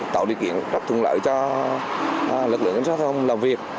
tạo điều kiện rất thuận lợi cho lực lượng cảnh sát giao thông làm việc